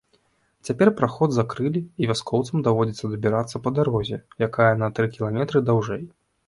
Цяпер праход закрылі, і вяскоўцам даводзіцца дабірацца па дарозе, якая на тры кіламетры даўжэй.